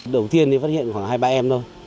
đầu tiên thì phát hiện khoảng hai mươi ba em thôi